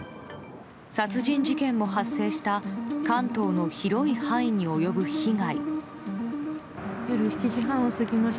殺人事件も発生した関東の広い範囲に及ぶ被害。